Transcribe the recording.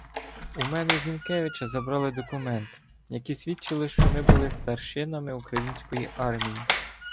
У мене й Зінкевича забрали документи, які свідчили, що ми були старшинами української армії.